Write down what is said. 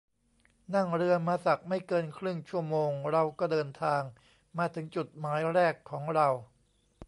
นั่งเรือมาสักไม่เกินครึ่งชั่วโมงเราก็เดินทางมาถึงจุดหมายแรกของเรา